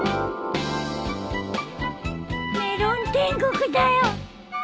メロン天国だよ